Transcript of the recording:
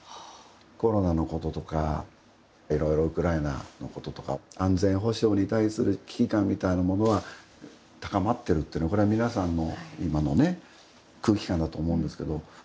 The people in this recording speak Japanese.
コロナのこととかいろいろウクライナのこととか安全保障に対する危機感みたいなものは高まってるってのはこれは皆さんの、今のね空気感だと思うんですけど。